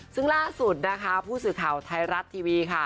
ซึ่งล่าสุดนะคะผู้สื่อข่าวไทยรัฐทีวีค่ะ